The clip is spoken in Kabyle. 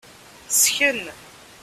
Sken.